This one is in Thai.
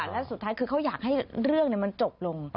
และสุดท้ายคือเขาอยากให้เรื่องมันจบลง